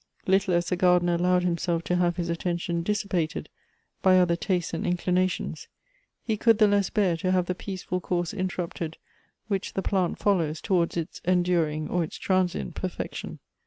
Little as the gardener allowed himself to have his attention dissipated by other tastes and inclinations, he could the less bear to have the peaceful course interrupted which the plant follows towards its enduring or its transient pei fection.